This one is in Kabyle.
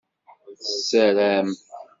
Tessaram.